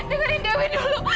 dengarin dewi dulu